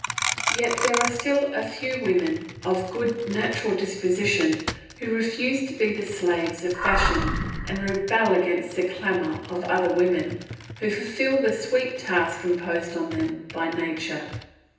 Yet there are still a few young women of good natural disposition who refuse to be the slaves of fashion and rebel against the clamour of other women, who fulfil the sweet task imposed on them by nature.